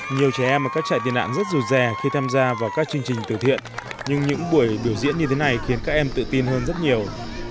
nhiều trẻ em ở các trại tị nạn rất dù rè khi tham gia vào các chương trình từ thiện nhưng những buổi biểu diễn như thế này khiến các em tự tin hơn rất nhiều